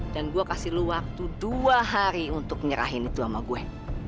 dan gua kasih lu waktu dua hari untuk nyerahin itu sama gue